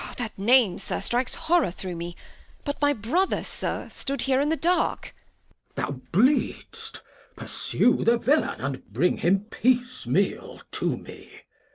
That Name, Sir, Strikes Horrour through me ; but my Brother, Sir, Stood here i'th' Dark. Act ii] King Lear 195 Glost. Thou bleed'st ! pursue the Villain, And bring him Piece meal to me.